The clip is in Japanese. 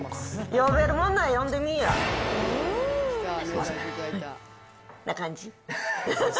呼べるもんなら呼んでみいや。